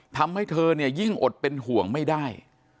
ทำให้เธอเนี่ยยิ่งอดเป็นห่วงไม่ได้